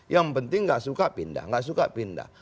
yang penting gak suka pindah